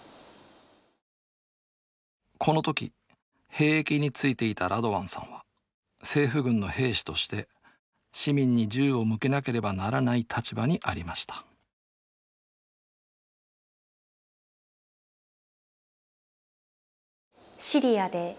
この時兵役についていたラドワンさんは政府軍の兵士として市民に銃を向けなければならない立場にありましたシリアで民主化運動が始まるわけです。